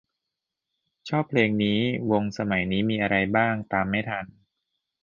ชอบเพลงนี้ วงสมัยนี้มีอะไรบ้าง ตามไม่ทัน